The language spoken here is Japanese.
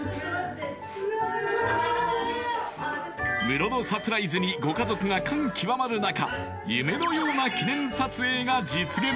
ムロのサプライズにご家族が感極まる中夢のような記念撮影が実現